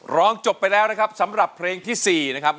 ร้องจบไปแล้วนะครับสำหรับเพลงที่๔นะครับ